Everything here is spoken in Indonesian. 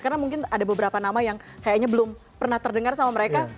karena mungkin ada beberapa nama yang kayaknya belum pernah terdengar sama mereka